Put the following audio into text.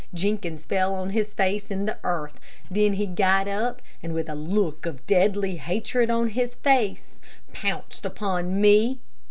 Jenkins fell on his face in the earth. Then he got up, and with a look of deadly hatred on his face, pounced upon me.